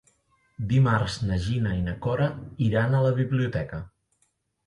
Dimarts na Gina i na Cora iran a la biblioteca.